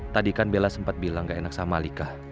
tadi kan bella sempat bilang gak enak sama lika